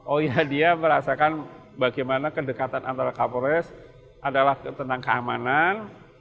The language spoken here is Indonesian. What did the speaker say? oh ya dia merasakan bagaimana kedekatan antara kapolres adalah tentang keamanan